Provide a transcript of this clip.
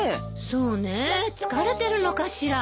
そうね疲れてるのかしら。